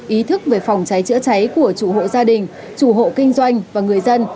ý thức về phòng cháy chữa cháy của chủ hộ gia đình chủ hộ kinh doanh và người dân